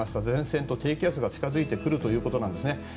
前線と低気圧が近付いてくるということなんですね。